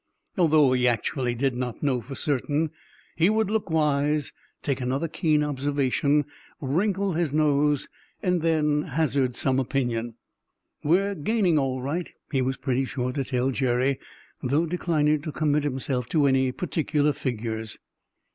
Although he actually did not know for certain, he would look wise, take another keen observation, wrinkle his nose, and then hazard some opinion. "We're gaining, all right," he was pretty sure to tell Jerry, though declining to commit himself to any particular figures.